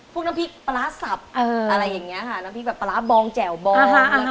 พวกน้ำพริกปลาร้าสับอะไรอย่างนี้ค่ะน้ำพริกแบบปลาร้าบองแจ่วบอง